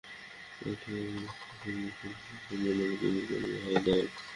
এতে ইকবাল হোসেন, শহীদুল ইসলাম, মির্জা মাসুদ নামের তিন কর্মী আহত হন।